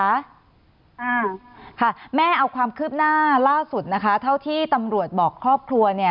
อ่าค่ะแม่เอาความคืบหน้าล่าสุดนะคะเท่าที่ตำรวจบอกครอบครัวเนี่ย